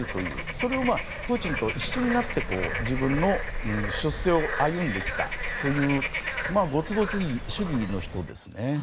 それをプーチンと一緒になって自分の出世を歩んできたというご都合主義の人です。